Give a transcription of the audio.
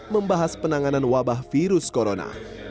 membahas penanganan wabah virus corona